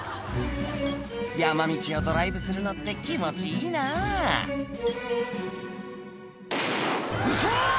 「山道をドライブするのって気持ちいいな」ウソ！